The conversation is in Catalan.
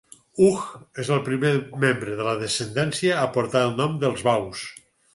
Hug és el primer membre de la descendència a portar el nom dels Baus.